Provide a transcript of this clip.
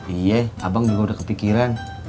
iya abang juga udah kepikiran